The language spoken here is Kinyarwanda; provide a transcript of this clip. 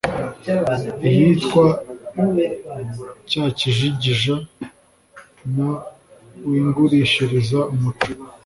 iyitwa Cya kijigija na Wingurishiriza Umuco